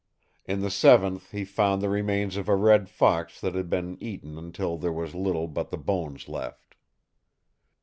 In the seventh he found the remains of a red fox that had been eaten until there was little but the bones left.